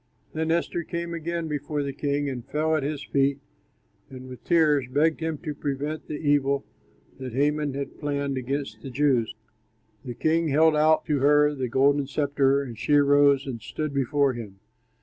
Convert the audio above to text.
Then Esther came again before the king and fell at his feet and with tears begged him to prevent the evil that Haman had planned against the Jews. The king held out to her the golden sceptre, and she arose and stood before him.